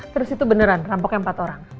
terus itu beneran rampoknya empat orang